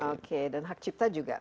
oke dan hak cipta juga